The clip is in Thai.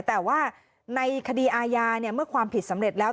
แต่ว่าในคดีอาญาเมื่อความผิดสำเร็จแล้ว